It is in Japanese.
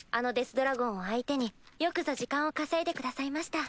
ドラゴンを相手によくぞ時間を稼いでくださいました。